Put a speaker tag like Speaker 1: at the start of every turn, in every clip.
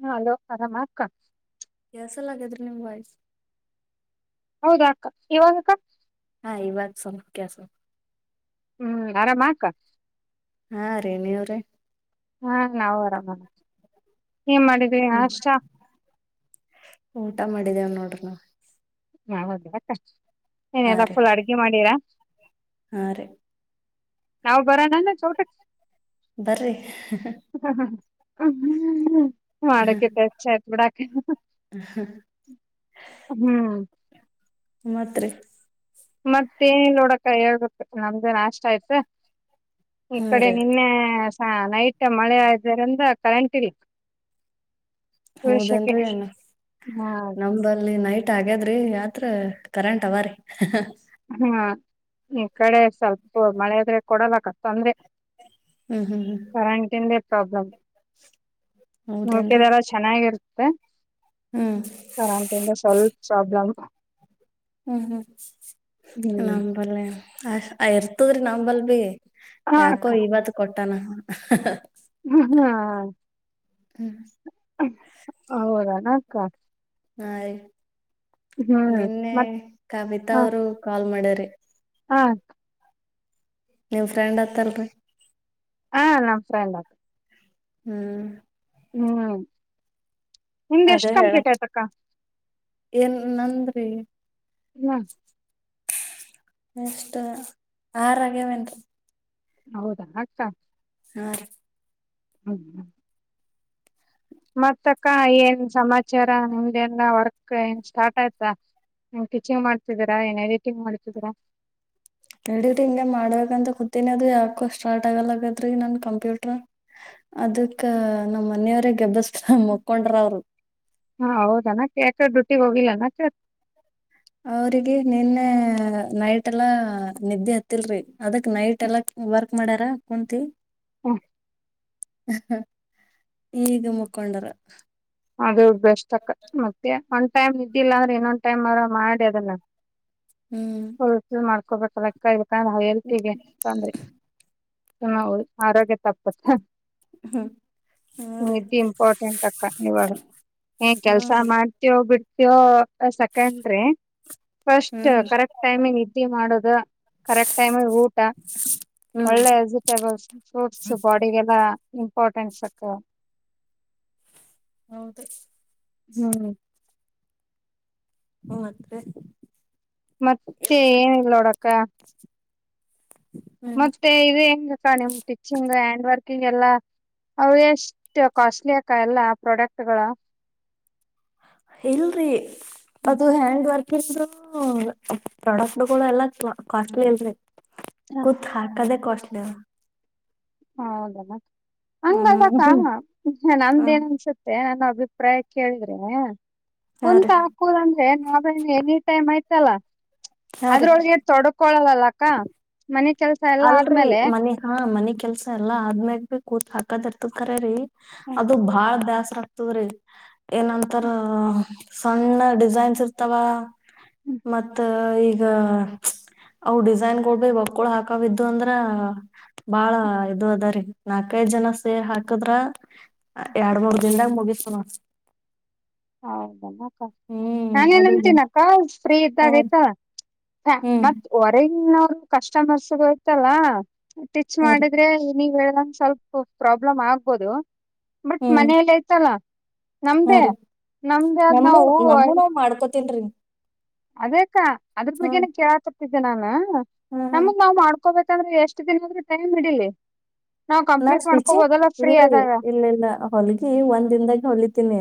Speaker 1: ಹ ಹಲೋ ಆರಾಮ್ ಅಕ್ಕ
Speaker 2: ಕೇಳಸಲ್ ಆಗ್ಯದ್ರಿ ನಿಮ್ ವಾಯ್ಸ್
Speaker 1: ಹೌದಾ ಅಕ್ಕ ಇವಾಗಕ್ಕ
Speaker 2: ಹಾ ಇವಾಗ ಸ್ವಲ್ಪ ಕೇಳ್
Speaker 1: ಹ್ಮ್ ಆರಾಮಾಕ್ಕ
Speaker 2: ಹಾ ರೇ ನೀವ್ರೇ
Speaker 1: ಹಾ ನಾವು ಆರಾಮ ಏನ್ ಮಾಡಿದ್ರಿ
Speaker 2: ಹ್ಮ್
Speaker 1: ನಾಷ್ಟ
Speaker 2: ಊಟಮಾಡಿದೇವಕ್ಕೇ ನೋಡ್ರಿ ನಾ [unintelligible]
Speaker 1: ಮಾವ ದೊಡ್ಡಪ್ಪ ಏನೆಲ್ಲಾ
Speaker 2: ರೀ
Speaker 1: ಫುಲ್ ಅಡ್ಗೆ ಮಾಡೀರಾ
Speaker 2: ಹಾ ರೀ
Speaker 1: ನಾವು ಬರೋಣ್ವಾ ವ ಚೋಟುಕಿ
Speaker 2: ಬರ್ರಿ
Speaker 1: [unintelligible] ಮಾಡಕೆ ಖರ್ಚ್ ಆಯ್ತ್ ಬಿಡಕ್ಕ ಹ್ಮ್
Speaker 2: ಮಾತ್ರಿ
Speaker 1: ಮತ್ತೇನ್ ನೋಡಕ್ಕ ಹೇಳ್ಬೇಕ್ ನಮ್ದೇನ್ ನಾಷ್ಟ ಆಯ್ತ? ಈ
Speaker 2: ಹಾ
Speaker 1: ಕಡೆ
Speaker 2: ರೀ
Speaker 1: ನಿನ್ನೆ ಹಾ ನೈಟ್ ಮಳೆ ಆದ್ದರಿಂದ ಕರೆಂಟ್ ಇಲ್
Speaker 2: ಹೌದೇನ್ರೀ ಅಣ್ಣ
Speaker 1: ಹಾ
Speaker 2: ನಂಬ್ದಲ್ಲಿ ನೈಟ್ ತಾಗ್ಯಾದ್ರಿ ರಾತ್ರ ಕರೆಂಟ್ ಅವಾ ರೀ [unintelligible]
Speaker 1: ನಿಮ್ ಕಡೆ ಸ್ವಲ್ಪ್ ಮಳೆ ಇದ್ರೆ ಕೊಡಲ್ಲಕ ತಂದೆ
Speaker 2: ಹ್ಮ್ ಹ್ಮ್ ಹ್ಮ್
Speaker 1: [unintelligible] ಪ್ರಾಬ್ಲಮ್ ಸುಮ್ಕೆ
Speaker 2: ಹೌದೇನ್ರಿ
Speaker 1: ಇದಾರ ಚೆನ್ನಾಗಿರತ್ತ್ [unintelligible]
Speaker 2: ಹ್ಮ್
Speaker 1: ಕರೆಂಟಿಂದ್ ಸ್ವಲ್ವ್ ಪ್ರಾಬ್ಲಮ್
Speaker 2: ಹ್ಮ್ ಹ್ಮ್
Speaker 1: ಹ್ಮ್
Speaker 2: ನಂಬಲೆ [unintelligible]
Speaker 1: ಹ
Speaker 2: ಯಾಕೋ
Speaker 1: ಅಕ್ಕ
Speaker 2: ಇವತ್ ಕೊಟ್ [unintelligible]
Speaker 1: [unintelligible]
Speaker 2: ಹ್ಮ್
Speaker 1: [unintelligible] ಹೌದಾನಕ್ಕ?
Speaker 2: ಹಾಯ್ ನಿನ್ನೆ
Speaker 1: ಮತ್
Speaker 2: ಕವಿತಾ ಅವ್ರು ಕಾಲ್ ಮಾಡ್ಯಾರ್ ಮತ್ತೆ
Speaker 1: ಹಾ
Speaker 2: ನಿಮ್ ಫ್ರೆಂಡ್ ಹತ್ತಲ್ರಿ?
Speaker 1: ಹಾ ನಮ್ ಫ್ರೆಂಡಾರ್
Speaker 2: ಹ್ಮ್
Speaker 1: ಹ್ಮ್ ನಿಮ್ದ್
Speaker 2: ಅದೇ
Speaker 1: ಎಷ್ಟ್
Speaker 2: ಹೇಳ
Speaker 1: ಕಂಪ್ಲೀಟ್ ಆಯ್ತಕ್ಕ?
Speaker 2: ಏನ್ ನಂದ್ರೀ?
Speaker 1: [unintelligible]
Speaker 2: ಎಷ್ಟ್? ಆರಾಗ್ಯಾವೇನ್ರಿ?
Speaker 1: ಹೌದಾ ಅಕ್ಕ?
Speaker 2: ಹಾ ರೀ.
Speaker 1: ಹ್ಮ್ [unintelligible] ಮತ್ತಕ್ಕ ಏನ್ ಸಮಾಚಾರ ನಿಮ್ದಲ್ಲ ವರ್ಕ್ ಏನ್ ಸ್ಟಾರ್ಟ್ ಆಯ್ತಾ ಟೀಚಿಂಗ್ [unintelligible] ಮಾಡ್ತಿದ್ದೀರಾ ಏನ್ ಎಡಿಟಿಂಗ್ ಮಾಡ್ತಿದ್ದೀರಾ
Speaker 2: ಎಡಿಟಿಂಗೆ ಮಾಡ್ಬೇಕಂತ ಕೂತಿನಿ ಅದು ಯಾಕೋ ಸ್ಟಾರ್ಟ್ ಆಗಲ್ಲಗತ್ರಿ [unintelligible] ನನ್ ಕಂಪ್ಯೂಟರ್ ಅದಕ್ಕ ನಮ್ಮ್ ಮನೆಯವ್ರ ಕೆಬ್ಬಸ್ತ್ರ [unintelligible] ಮಕ್ಕೊಂಡ್ರ ಅವ್ರು
Speaker 1: ಹಾ ಹೌದನಾಕ ಯಾಕೆ ಡ್ಯೂಟಿಗ್ ಹೋಗಿಲ್ಲನಾಕ
Speaker 2: ಅವ್ರಿಗೆ ನಿನ್ನೆ ನೈಟ್ ಎಲ್ಲ ನಿದ್ದೆ ಹತ್ತಿಲ್ರಿ ಅದಕ್ ನೈಟ್ ಎಲ್ಲ ವರ್ಕ್ ಮಾಡ್ಯಾರ ಕುಂತಿ [unintelligible] ಹ ಹ ಈಗ ಮುಖೊಂಡರ
Speaker 1: ಅದು ಬೆಸ್ಟ್ ಅಕ್ಕ ಮತ್ತೆ ಒಂದ್ ಟೈಮ್ ಇದಿಲ್ಲ ಅಂದ್ರೆ ಇನ್ನೊಂದ್ ಟೈಮ್ [unintelligible] ಮಾಡಿ ಅದನ್ನ
Speaker 2: ಹ್ಮ್
Speaker 1: ಹ [unintelligible] [unintelligible] ಲೆಕ್ಕ ಕಣ ಎಲ್ಕಿಗೆ ತೊಂದ್ರೆ ನ ಆರೋಗ್ಯ ತಪ್ಪುತ್ತೆ
Speaker 2: ಹ್ಮ್ ಹ ರೀ
Speaker 1: ಇಂಪಾರ್ಟೆಂಟ್ [unintelligible] ಏನ್ ಕೆಲ್ಸ
Speaker 2: ಹ್ಮ್
Speaker 1: ಮಾಡ್ತೆವ್ ಬಿಡ್ತಿಯೋ ಸೆಕೆಂಡ್ರಿ ಫಸ್ಟ್
Speaker 2: ಹ್ಮ್
Speaker 1: ಕರೆಕ್ಟ್ ಟೈಮಿಗ್ ನಿದ್ದಿ ಮಾಡೋದ, ಕರೆಕ್ಟ್ ಟೈಮಿಗ್ ಊಟ,
Speaker 2: ಹ್ಮ್
Speaker 1: ಒಳ್ಳೆ ವೆಜಿಟೇಬಲ್ಸ್ ಫ್ರೂಟ್ಸ್ ಬಾಡಿಗೆಲ್ಲ ಇಂಪಾರ್ಟೆನ್ಸ್ ಅಕ್ಕ
Speaker 2: ಹೌದು
Speaker 1: ಹ್ಮ್
Speaker 2: ಹ್ಮ್ ಮತ್ತೆ
Speaker 1: ಮತ್ತೆ ಏನಿಲ್ ನೋಡಕ್ಕ
Speaker 2: ಹ್ಮ್
Speaker 1: ಮತ್ತೆ ಇದು ಎಂಗ್ ಸ ನಿಮ್ ಟಿಚ್ಚಿನ್ಗು ಹ್ಯಾಂಡ್ ವರ್ಕ್ ಗೆಲ್ಲ ಅವ ಎಷ್ಟು ಕಾಸ್ಟ್ಲಿ ಆಕ ಎಲ್ಲಾ ಪ್ರಾಡಕ್ಟ್ಗಳ
Speaker 2: ಇಲ್ರಿ ಅದು ಹ್ಯಾಂಡ್ ವರ್ಕ್ [unintelligible] ಪ್ರಾಡಕ್ಟ್ಗಳು ಎಲ್ಲ ಕಾಸ್ಟ್ಲಿ ಅಲ್ರಿ ಕುತ್ ಹಾಕದೆ [unintelligible]
Speaker 1: ಹಾ ಹೌದಮ್ಮ
Speaker 2: ಹ್ಮ್
Speaker 1: ಹಂಗದಕ್ಕ
Speaker 2: ಹ್ಮ
Speaker 1: ನಮ್ದೇನ್ ಅನ್ಸುತ್ತೆ ನಾ ಅಭಿಪ್ರಾಯ ಕೇಳಿದ್ರೆ
Speaker 2: ಹಾ ರೀ
Speaker 1: ಕುಂತ್ ಹಾಕೊದ್ ಅಂದ್ರೆ ನಾವೇನ್ ಎನಿ ಟೈಮ್ ಆಯ್ ಚಲ
Speaker 2: ಹಾ ರೀ
Speaker 1: ಅದ್ರೊಳ್ಗೆ ತೊಡ್ಕೊಳ್ಳದಕ್ ಕ
Speaker 2: ಅಲ್ರಿ ಮನಿ ಹಾ ಮನಿ ಕೆಲ್ಸ. ಎಲ್ಲ ಆದ್ಮ್ಯಾಕ್ ಕೂತ್ ಹಾಕದ್ ಇರ್ತದ್ ಕರೆರೀ. ಅದು ಬಾಳ್ ಬ್ಯಾಸ್ ತ್ರಗ್ತದ್ರಿ. ಏನಂತರ್ ಆ. ಸಣ್ಣ ಡಿಸೈನ್ಸ್ ಇರ್ತಾವ. ಮತ್ತ. ಈಗ ವ್ಚ್ ಅವ್ ಡಿಸೈನ್ ಕೊಡ್ಬೇ ಒಕ್ಕ ಹಾ ಪಕ್ಕವಿದ್ದು ಅಂದ್ರ ಬಾಳ ಇದು ಅದಾರಿ ನಾಕೈದ್ ಜನ ಸೇರ್ ಹಾಕದ್ರ ಎರಡ್ ಮೂರ್ ದಿನ್ದಾಗ್ ಮುಗಿತದ್ ನೋಡ್. ಹ್ಮ್
Speaker 1: ನಾನೇ
Speaker 2: ಅದು
Speaker 1: ನನ್ತಿನಕ್ಕ ಫ್ರೀ
Speaker 2: ಹಾ
Speaker 1: ಇದ್ದಾಗ್
Speaker 2: ರೀ
Speaker 1: ಆಯ್ತಾ. ಹ
Speaker 2: ಹ್ಮ್
Speaker 1: ಮತ್ ಹೊರೆ ಇನ್ ಅವ್ರು ಕಸ್ಟಮರ್ಸ್ ಗೈತಲ್ಲ ಟಿಚ್
Speaker 2: ಹಾ ರೀ
Speaker 1: ಮಾಡಿದ್ರೆ ನೀನ್ ಹೇಳ್ದಂಗ್ ಸ್ವಲ್ಪ ಪ್ರಾಬ್ಲಮ್ ಆಗ್ಬೋದು. ಬಟ್
Speaker 2: ಹ್ಮ್
Speaker 1: ಮನೆಲ್ ಐತಲ್ಲಾ
Speaker 2: ಹಾ
Speaker 1: ನಮ್ದೆ
Speaker 2: ರೀ
Speaker 1: ನಮ್ದ ಆದ್ ನಾವೂ ಐ
Speaker 2: ತಿನ್ರಿ
Speaker 1: ಅದೇ ಅದ್ರು ಬಗ್ಗೆನೆ ಕೇಳತ ತಿದ್ದೆ ನಾನು ಹ
Speaker 2: ಹ್ಮ್ ಹ್ಮ್
Speaker 1: ನಮಗ್ ನಾವ್ ಮಾಡ್ ಕೋಬೇಕಂದ್ರೆ ಎಷ್ಟು ದಿನ ಆದ್ರೂ ಟೈಮ್ ಹಿಡಿಲಿ. ನಾವ್ ಕಂಪ್ಲೀಟ್
Speaker 2: ನಾಸ್ ಪಿಚಿ
Speaker 1: ಮಾಡ್ಕೋಬೋದಲ್ಲ ಫ್ರೀ
Speaker 2: ಇಲ್ರಿ
Speaker 1: ಆದಾಗ
Speaker 2: ಇಲ್ಲಿಲ್ಲ ಹೊಲ್ಗಿ ಒಂದ್ ದಿನದಾಗ ಹೊಲಿತೀನಿ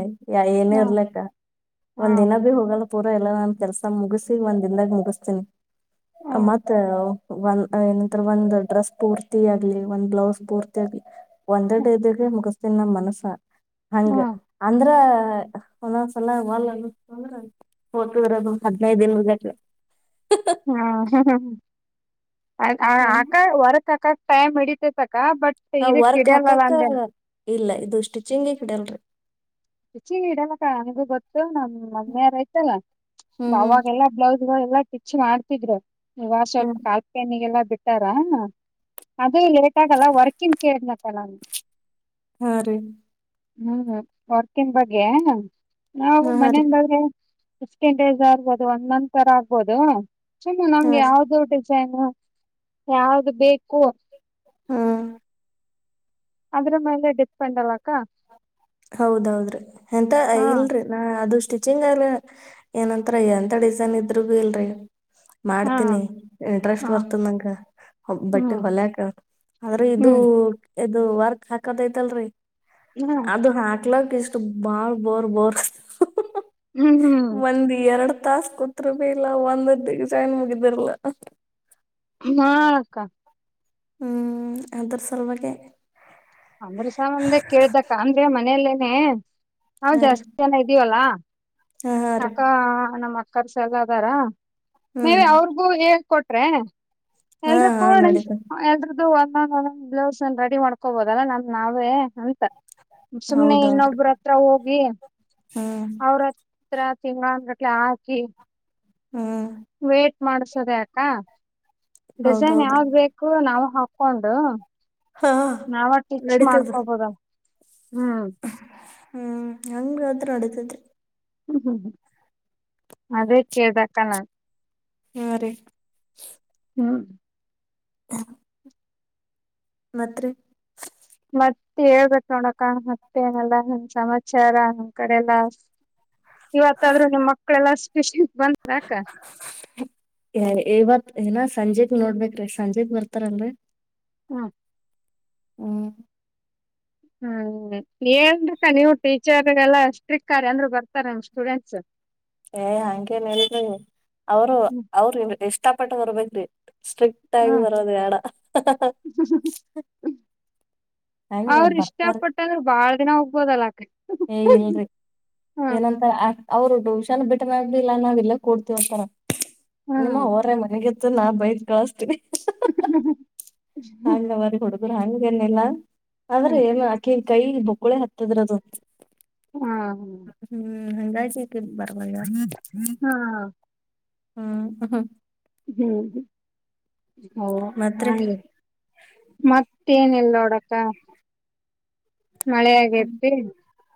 Speaker 2: ಏನೇ
Speaker 1: ಹಾ
Speaker 2: ಇರ್ಲಕ್ಕ
Speaker 1: ಹಾ
Speaker 2: ಒಂದ್ ದಿನ ಭೀ ಹೋಗಲ್ಲ. ಪೂರ ಎಲ್ಲಾ ನಾನ್ ಕೆಲ್ಸ ಮುಗಿಸಿ ಒಂದ್ ದಿನದಾಗ ಮುಗಿಸ್ತೀನಿ
Speaker 1: ಹ್ಮ್
Speaker 2: ಮತ್ತ ಒಂದ ಏನಂತ್ರ್ ಒಂದ್ ಡ್ರೆಸ್ ಪೂರ್ತಿ ಆಗ್ಲಿ ಒಂದ್ ಬ್ಲೌಸ್ ಪೂರ್ತಿ ಆಗ್ಲಿ. ಒಂದ ಡೇದಗ ಮುಗುಸ್ ತಿನ್ನ ಮನಸ್ಸ. ಹಂಗ್
Speaker 1: ಹ್ಮ್
Speaker 2: ಅಂದ್ರ. ಒಂದೊಂದ್ಸಲ ಮಲ್ ಅಂದ್ರ ಓತದ್ರ ಅದು ಹದ್ನೈದ್ ಲೆಟ್ರ.
Speaker 1: ಹಾ ಹಾ ಹ ಹ್ಮ. ಅಯ್ ಯ್ ಆಕ ಹೊರಕ್ ಆಕ. ಟಯ ಮಿಡಿತತ್ ಬಟ್
Speaker 2: ನಾವ್
Speaker 1: ಇದು ಕಿಡ್ಯಲ್ಲಲ್ಲ
Speaker 2: ಹಾಕಾಕ
Speaker 1: ಅಂದೇನ್.
Speaker 2: ಇಲ್ಲ ಇದು ಸ್ಟಿಚಿಂಗಿಗ್ ಇಡಲ್ರಿ.
Speaker 1: ರುಚಿ ಇಡಲಕ್ಕ ನನ್ಗೂ ಗೊತ್ತು ನಮ್ ಮಮ್ಮಿ ಯಾರಯ್ತಲ್ಲ
Speaker 2: ಹ್ಮ್ ಹ್ಮ್
Speaker 1: ಅವಾಗೆಲ್ಲಾ ಬ್ಲೌಸ್ ಗಳು ಎಲ್ಲಾ ಸ್ಟಿಚ್ ಮಾಡ್ತಿದ್ರು. ಇವಾಗ್ ಸ್ವಲ್ಪ್
Speaker 2: ಹ್ಮ್
Speaker 1: ಕಾಲ್ಪೆನಿಗೆಲ್ಲ. ಬಿಟ್ಟಾರ ಅದೆ ಲೇಟ್ ಆಗಲ್ಲ ವರ್ಕಂನ್ ಕೇಳ್ದ್ನ್ ಅಕ್ಕ ನಾನ್.
Speaker 2: ಹಾ ರೀ.
Speaker 1: ನೌದ. ವರ್ಕಿನ್ ಬಗ್ಗೆ. ನಾವು
Speaker 2: ಹಾ ಹಾ ರೀ
Speaker 1: ಮನೆಂದಾದ್ರೆ ಫಿಫ್ಟಿನ್ ಡೇಸ್ ಆಗ್ಬೋದು ಒಂದ ಮಂತರ ಆಗ್ಬೋದು ಚಲೋ
Speaker 2: ಹಾ
Speaker 1: ನಮ್ಗ್
Speaker 2: ರೀ
Speaker 1: ಯಾವ್ದೋಟಿ [unintelligible] ಯಾವ್ದ್ ಬೇಕು
Speaker 2: ಹ್ಮ
Speaker 1: ಅದ್ರ ಮೇಲೆ ಡಿಪೆಂಡ್ ಅಲ್ಲಕ್ಕ
Speaker 2: ಹೌದ್ ಹೌದ್ರಿ ಎಂತ
Speaker 1: ಹಾ
Speaker 2: ಇಲ್ರಿ ನಾ ಅದು ಸ್ ಸ್ಟಿಚಿಂಗ್ ಆಗ್ಲ ಏನಂತರ ಎಂತ ಡಿಸೈನ್ ಇದ್ರಗು ಇಲ್ರಿ.
Speaker 1: ಹಾ
Speaker 2: ಮಾಡ್ತೀನಿ
Speaker 1: ಹ
Speaker 2: ಇಂಟ್ರೆಸ್ಟ್ ಬರ್ತದ ನಂಗ ಬಟ್ಟಿ
Speaker 1: ಹ್ಮ್
Speaker 2: ಹೊಲಯಕ ಆದ್ರೆ ಇದು
Speaker 1: ಹ್ಮ್
Speaker 2: ಇದು ವರ್ಕ್ ಹಾಕದೈತಲ್ರಿ
Speaker 1: ಹ್ಮ
Speaker 2: ಅದು ಹಾಕ್ಲಕ್ ಇಷ್ ತ್ ಬಾಳ್ ಬೋರ್ ಬೋರ್ ಹ್
Speaker 1: ಹ್ಮ್ ಹ್ಮ್
Speaker 2: ಒಂದ್ ಎರಡು ತಾಸ್ ಕುತ್ರು ಬಿ ಇಲ್ಲ ಒಂದು ಡಿಸೈನ್ ಮುಗ್ದಿರಲ್ಲ.
Speaker 1: ಹ್ ಹಾ ಅಕ್ಕ
Speaker 2: ಹ್ಮ್ ಅದ್ರ್ ಸಲ್ವಾಗೆ
Speaker 1: ಅಂಗ್ಡಿ ಸಾಮಾನ್ದೆ ಕೇಳಿದ್ ಅಕ್ಕ ಅಂದ್ರೆ ಮನೇಲ್ಲೇ. ಹೆ ನಾವ್
Speaker 2: ಹಾ ರೀ
Speaker 1: ಜಾಸ್ತಿ ಜನ ಇದ್ದೀವಲ್ಲಾ.
Speaker 2: ಹಾ ಹಾ ರೀ
Speaker 1: ಅಕ್ಕಾ ನಮ್ ಅ ಕರ್ಸಾಗ ಅದಾರ. ಮೆ
Speaker 2: ಹ್ಮ್
Speaker 1: ಬಿ ಅವ್ರಗೂ ಏನ್ ಕೊಟ್ ಟ್ರೆ.
Speaker 2: ಹಾ
Speaker 1: ಎಲ್ರು
Speaker 2: ಹಾ
Speaker 1: ಕೋಡನ್
Speaker 2: ನಡೀತ
Speaker 1: ಎಲ್ರು. ಒಂದ್ ಒಂದ್ ಬ್ಲೌಸ್ ರೆಡಿ ಮಾಡ್ಕೋಬಹುದು ಏಲ್ಲ ನಮ್ ನಾವೇ ಅಂತ ಸುಮ್ನೆ
Speaker 2: ಹೌದೌದ್ರಿ
Speaker 1: ಇನ್ನೊಬ್ಬರ ಹತ್ರ ಹೋಗಿ
Speaker 2: ಹ್ಮ್
Speaker 1: ಅವರತ್ರ ತಿಂಗಳಾನುಗಟ್ ಹಾಕಿ
Speaker 2: ಹ್ಮ್
Speaker 1: ಲೇಟ್ ಮಾಡ್ಸೋದ್ಯಾಕೋ ಡಿಸೈನ್
Speaker 2: ಹೌದೌದ್ರಿ
Speaker 1: ಯಾವಾದೂ ಬೇಕು ನಾವು ಹಾಕ ಕೊಂಡು
Speaker 2: ಹಾ
Speaker 1: ನಾವ ಸ್ಟಿಚ್ಚು
Speaker 2: ನಡೀತದ
Speaker 1: ಮಾಡ್ಕೊಬೋದ ಹ್ಮ್
Speaker 2: ಹ್ಮ್ ಹೆಂಗಾದ್ರೂ ನಡಿತದ್ರಿ
Speaker 1: ಹ್ಮ್ ಹ್ಮ್ ಹ್ಮ್ ಅದೇ ಕೇಳ್ದಾ ಕಣ
Speaker 2: ಹ್ಮ ರೀ
Speaker 1: ಹ್ಮ
Speaker 2: ಹ್ಮ ಮಾತ್ರೆ
Speaker 1: ಮತ್ತೆ ಹೇಳ್ಬೇಕು ನೋಡಕಣ ಮತ್ತೆ ಏನಲ್ಲಾ ನಮ ಸಮಾಚಾರ ನಮ ಕಡೆಲ್ಲ ಇವತ್ತಾದ್ರೂ ನಮ್ಮಕ್ಕ್ಳೆಲ್ಲ ಷ್ಟಷ್ಟ ಬಂದಾಕ್ಕ [unintelligible]
Speaker 2: ಇವತ್ ಏನ ಸಂಜೆಗೆ ನೋಡ್ಬೇಕ್ರೀ ಸಂಜೆ ಬರ್ತಾರಲ್ರ್ ರಿ
Speaker 1: ಹ್ಮ
Speaker 2: ಹ್ಮ್
Speaker 1: ಹ್ಮ್ ಏನ್ರಿಕ್ಕ ನೀವು ಟೀಚರ್ಗೆಲ್ಲಾ ಸ್ಟ್ರಿಕ್ಆಗಿ ಅಂದ್ರೇ ಬರ್ತಾರಾ ಸ್ಟೂಡೆಂಟ್ಸ್
Speaker 2: ಏ ಹಂಗೇನ್ ಹೇಳರಿ ಅವರು
Speaker 1: ಹ್ಮ್
Speaker 2: ಅವ್ರ ಎಷ್ಟ ಇಷ್ಟಪಟ್ಟು ಬರಬೇಕ್ರರಿ ಸ್ಟ್ರಿಕ್ಟ್ ಆಗಿ ಬರದುಬೇಡ ಹಂಗೆ ಬರ್ತಾರೆ
Speaker 1: ಬೋನಲ್ ಹಾಕ್ರಿ
Speaker 2: ಏ ಇಲ್ರಿ ಏನಂತ ಆ ಅವ್ರು ಟ್ಯೂಷನ್ ಬಿಟ್ಟ ಮೇಲೆ ನಾವು ಇಲ್ಲೇ ಕೊಡ್ತತಿವಿಂತರೀ
Speaker 1: ಹಾ
Speaker 2: ನಿಮ್ಮ ಅವರ ಮನೆಗೆ ದಿನ ಬೈಯ್ ಕಳಸ್ತೀವಿ
Speaker 1: [inaudible]
Speaker 2: ಹಾಂಗ ಹುಡುಗರು ಹ್ಯಾಂಗ್ [unintelligible] ಏನಿಲ್ಲ
Speaker 1: ಹ್ಮ
Speaker 2: ಆದ್ರೆ ಏನುಆಕಿ ಕೈ ಬೊಕ್ಕೊಳೆ ಹತ್ತದ್ರ ಅದು
Speaker 1: ಹ್ಮ್
Speaker 2: ಲಿಂಗಾಯಸ್ಟ ಏಕೆ ಬರ್ ವಾಯ
Speaker 1: ಹಾ
Speaker 2: ಹ್ಮ್ ಹಃ ಹ.
Speaker 1: ಹ್ಮ್ ಹ. ಹೌ ಹಾ
Speaker 2: ಮತ್ರಿ
Speaker 1: ರಿ ಮತ್ ಟೆನ್ ಇಲ್ ನೋಡಕ್ಕ. ಮಳೆ
Speaker 2: ಹ್ಮ್
Speaker 1: ಆಗೇತಿ.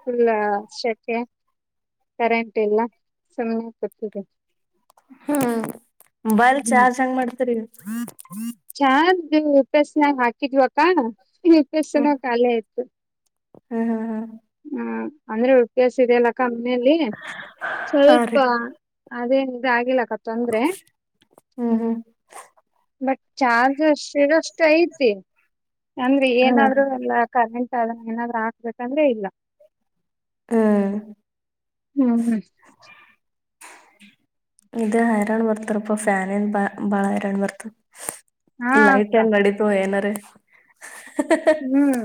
Speaker 1: ಫುಲ್ಲ ಶೆಕೆ ಕರೆಂಟ್ ಇಲ್ಲ ಸುಮ್ಮ್ನೆ ಕುತಿದಿವಿ.
Speaker 2: ಹ್ಮ ಮೊಬೈಲ್ ಚಾರ್ಜ್ ಹೆಂಗ್ ಮಾಡ್ತರಿ. [inaudible]
Speaker 1: ಚಾರ್ಜ್ ಯು ಪಿ ಏಸ್ ನಾಗ್ ಹಾಕಿದ್ವಕ್ಕ ಯು ಪಿ ಏಸ್ ನ
Speaker 2: ಹ್ಮ್
Speaker 1: ಕಾಲಿ ಆಯ್ತು.
Speaker 2: ಹ್ಮ್ ಹ್ಮ ಹ್ಮ
Speaker 1: ಹ್ಮ್ ಅಂದ್ರೆ ಯು ಪಿ ಏಸ್ ಇದೆಯಲ್ಲ ಕಂಪ್ನಿಯಲ್ಲಿ
Speaker 2: ಹಾ
Speaker 1: ಸ್ವಲ್ಪ
Speaker 2: ರೀ
Speaker 1: ಅದೇನ್ ಇದ್ ಆಗಿಲ್ಲ. ತಂದ್ರೆ
Speaker 2: ಹ್ಮ್ ಹ್ಮ್
Speaker 1: ಬ ಚಾರ್ಜ್ [unintelligible] ಐತೆ ಅಂದ್ರೆ
Speaker 2: ಹಾ
Speaker 1: ಏನಾದ್ರು ಎಲ್ಲ ಕರೆಂಟ್ ದಾಗ್ ಏನಾದ್ರು ಹಾಕ್ಬೇಕಂದ್ರೆ ಇಲ್ಲ.
Speaker 2: ಆ
Speaker 1: ಹ್ಮ್ ಹ್
Speaker 2: ಇದೇ ಹೈರಾಣ್ ಬರ್ತಾರಪ್ಪ ಫ್ಯಾನ್ ಏನ್ ಬ ಬಾಳ ಹೈರಾಣ್ ಬರ್ತ.
Speaker 1: ಹಾ
Speaker 2: ಲೈಟ್
Speaker 1: ಅಕ್ಕ
Speaker 2: ಏನ್ ನಡೀತು ಏನಾರೆ [unintelligible] ಹಃ ಹಃ ಹ.
Speaker 1: ಹ್ಮ್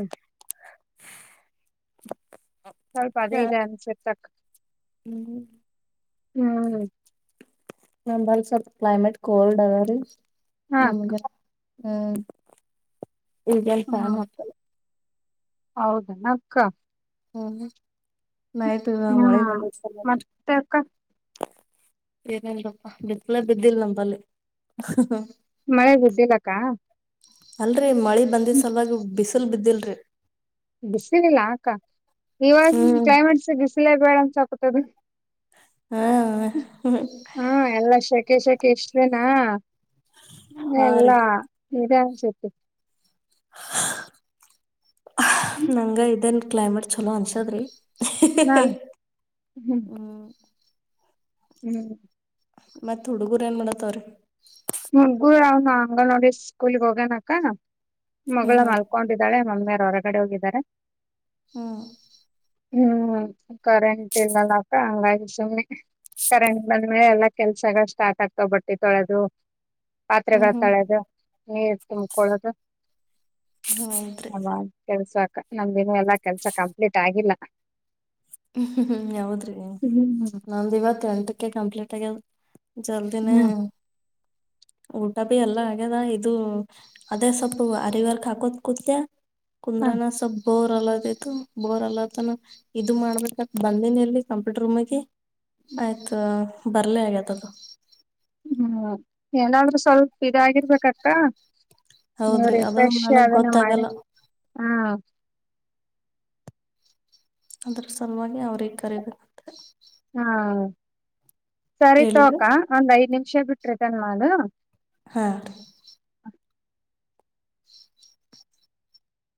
Speaker 1: ಸ್ವಲ್ಪ ಅದೇ
Speaker 2: ಹಾ
Speaker 1: ಇದೆ ಅನ್ಸುತಕ.
Speaker 2: ಹ್ಮ್
Speaker 1: ಹ್ಮ್
Speaker 2: ನಂಬಲ್ ಸ್ವಲ್ಪ ಕ್ಲೈಮೇಟ್ ಕೋಲ್ಡ್ ಅದ ರೀ.
Speaker 1: ಹಾ
Speaker 2: ನಮ್ಗೆ ಹ್ಮ ಇಗೆಲ್ ಫ್ಯಾನ್ ಹಾಕಲ.
Speaker 1: ಹೌದೇನ ಅಕ್ಕ.
Speaker 2: ಹ್ಮ ನೈಟ್ ಎಲ್ಲ ಮಳೆ
Speaker 1: ಹ್ಮ್
Speaker 2: ಬಂದಿದ್ ಸಲ.
Speaker 1: ಮತ್ತೆ ಅಕ್ಕ
Speaker 2: ಏನು ಇಲ್ಲ ನೋಡಪಾ ಬಿಸಿಲ ಬಿದ್ದಿಲ್ ನಂಬಲ್ಲಿ.
Speaker 1: ಮಳೆ ಬಿದ್ದಿಲ್ಲಕ್ಕ
Speaker 2: ಅಲ್ರಿ ಮಳಿ ಬಂದಿದ್ದ ಸಲವಾಗಿ ಬಿಸ ಬಿಸಿಲ್ ಬಿದ್ದಿಲ್ರಿ.
Speaker 1: ಬಿಸಲ್ ಇಲ್ಲಾ ಅಕ್ಕಾ. ಇವಾಗ
Speaker 2: ಹ್ಮ್
Speaker 1: ಕ್ಲೈಮೆಟ್ಸ್ [unintelligible] ಬಿಸಲೇ ಬೇಡಾ ಅಂತಾ [unintelligible]
Speaker 2: ಹಾ ಹಾ.
Speaker 1: ಕೇ ಶಖೆ ಇಷ್ಟೇನಾ. ಎ
Speaker 2: ಹಾ ರೀ
Speaker 1: ಇಲ್ಲಾ. ಇದ್ಯಾವ್ ಶೇಖೆ.
Speaker 2: ನಂಗ ಇದೇನ್ ಕ್ಲೈಮೇಟ್ ಚಲೋ ಅನ್ಸದ್ರಿ.
Speaker 1: ಹಾ
Speaker 2: ಹ್ಮ್
Speaker 1: ಹ್ಮ್
Speaker 2: ಮತ್ತ್ ಹುಡುಗುರ್ ಏನ್ ಮಾಡಾತ್ತಾವ್ರೀ.
Speaker 1: ಹುಡಗುರ ಅವನ ಹಂಗ ಅಂಗನವಾಡಿ ಸ್ಕೂಲ್ಗೆ ಹೋಗ್ಯಾನ ಅಕ್ಕಾ.
Speaker 2: ಹ್ಮ್
Speaker 1: ಮಗಳ
Speaker 2: ಹಾ ರೀ
Speaker 1: ಮಲ್ಕೊಂಡಿದ್ದಾಳೆ ನನ್ನ ಮ್ಯಾಲ್. ಹೊರಗಡೆ ಹೋಗಿದ್ದಾರೆ.
Speaker 2: ಆ
Speaker 1: ಹ್ಮ್ ಕರೆಂಟ್ ಇಲ್ಲಲ ಅಕ್ಕಾ ಹಂಗಾಗಿ ಸುಮ್ಮನೆ ಕರೆಂಟ್ ಬಂದ್ಮೇಲೆ ಎಲ್ಲಾ ಕೆಲ್ಸಗಳು ಸ್ಟಾರ್ಟ್ ಆಗ್ತಾವ ಬಟ್ಟೆ ತೊಳೆದು. ಪಾತ್ರೆಗಳ
Speaker 2: ಹ್ಮ್
Speaker 1: ತೋಳೆದು
Speaker 2: ಹ್ಮ್
Speaker 1: ನೀರ್ ತಿನ್ಕೊಳ್ಳದ
Speaker 2: ಹೌದ್ರಿ
Speaker 1: ಅದ ಆದ ಕೆಲಸ ಆತ್. ನಮ್ದಿನ್ನು ಎಲ್ಲಾ ಕೆಲ್ಸ ಕಂಪ್ಲೀಟ್ ಆಗಿಲ್ಲ.
Speaker 2: ಹ್ಮ ಯಾವದ್ರಿ
Speaker 1: ಹ್ಮ್
Speaker 2: ನಮ್ದ ಇವತ್ತ ಎಂಟಕ್ಕೆ ಕಂಪ್ಲೀಟ್ ತ್ತೆಗೆ ಜಲ್ದಿನ ಊಟ ಬಿ ಎಲ್ಲ ಆಗ್ಯದ ಇದು ಅದೇ ಸ್ವಲ್ಪ ಆರಿವರ್ಕ್ ಹಾಕೋತ್ ಕುತ್ಯ.
Speaker 1: ಹ
Speaker 2: ಕುಂದ್ರಣ್ಣಾ ಸಪ್ಪ ಹೊ ಬಲ್ಲದೇತು ಬೋರ್ ಅಲ್ಲ ಅತಾನ್ ಇದ್ ಇದು ಮಾಡ್ಬೇಕ ಬಂದನಿ ಅಲ್ಲಿ ಕಂಪ್ಯೂಟರ್ ರೂಮಗಿ ಆಯ್ತು ಬರ್ಲ [unintelligible]
Speaker 1: ಹ್ಮ್ ಏನಾದ್ರೂ ಸ್ವಲ್ಪ ಇದಾಗಿರ್ಬೇಕ ಅಕ್ಕಾ.
Speaker 2: ಹೌದ್ರಿ
Speaker 1: ನೀವ್ರಿ
Speaker 2: ಅದು
Speaker 1: ರಿಫ್ರೆಶ್
Speaker 2: ನನಗ್
Speaker 1: ಅದನ್ನ
Speaker 2: ಗೊತ್ತಾಗಲ್ಲ
Speaker 1: ಮಾಡೇರಿ ಹಾ
Speaker 2: ಅದರ್ ಸಲುವಾಗಿ ಅವ್ರಿಗೆ ಕರಿಬೇಕತ್ತ
Speaker 1: ಹಾ ಸರಿ ತೋ
Speaker 2: ಎಲ್ರಿ
Speaker 1: ಅಕ್ಕಾ ಒಂದ್ ಐದ್ ನಿಮಿಷ ಬಿಟ್ಟ ಟ್ರೆಟನ್ನ ಅದು.
Speaker 2: ಹಾ